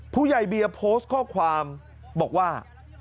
ผู้ใหญ่เบียร์โพสต์ข้อความบอกว่า